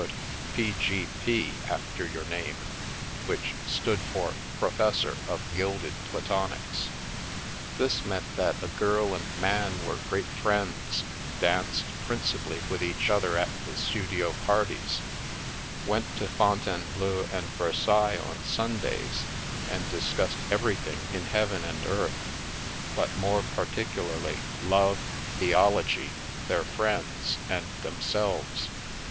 after your name, which stood for " Professor of Gilded Platonics/' This meant that a girl and man were great friends, danced principally with each other at the studio parties, went to Fontainebleau and Versailles on Sundays, and dis cussed everything in heaven and earth, but more particu larly love, theology, their friends and themselves.